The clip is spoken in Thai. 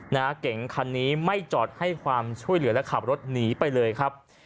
เก๋งคันนี้ไม่จอดให้ความช่วยเหลือและขับรถหนีไปเลยครับ